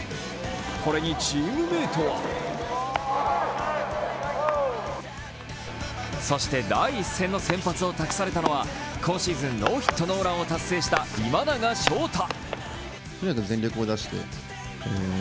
これにチームメートはそして第１戦の先発を託されたのは今シーズン、ノーヒットノーランを達成した今永昇太。